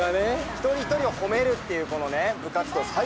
一人一人を褒めるっていうこのね部活動最高。